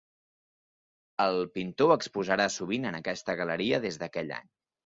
El pintor exposarà sovint en aquesta galeria des d'aquell any.